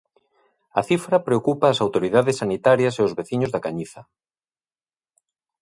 A cifra preocupa ás autoridades sanitarias e aos veciños da Cañiza.